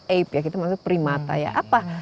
ape ya maksudnya primata ya apa